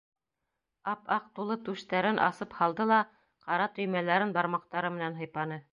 Ап-аҡ тулы түштәрен асып һалды ла ҡара төймәләрен бармаҡтары менән һыйпаны.